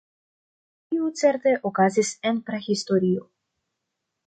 Tio certe okazis en prahistorio.